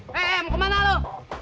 hei mau kemana lo